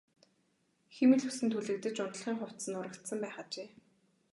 Хиймэл үс нь түлэгдэж унтлагын хувцас нь урагдсан байх ажээ.